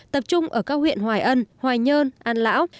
tập trung ở các huyện hoài ân hoài nhơn an lão